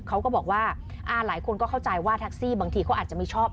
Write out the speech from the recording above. เขาก็บอกว่าอ่าหลายคนก็เข้าใจว่าแท็กซี่บางทีเขาอาจจะไม่ชอบ